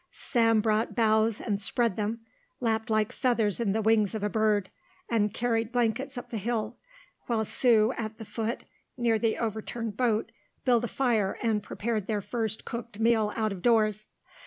Sam brought boughs and spread them, lapped like feathers in the wings of a bird, and carried blankets up the hill, while Sue, at the foot, near the overturned boat, built a fire and prepared their first cooked meal out of doors.